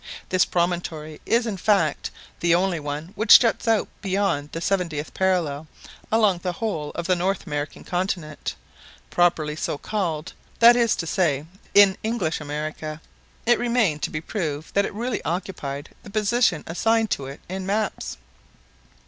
This promontory is, in fact, the only one which juts out beyond the seventieth parallel along the whole of the North American continent, properly so called that is to say, in English America. It remained to be proved that it really occupied the position assigned to it in maps.